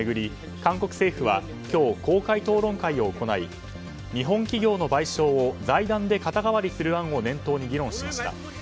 韓国政府は今日、公開討論会を行い日本企業の賠償を財団で肩代わりする案を念頭に議論しました。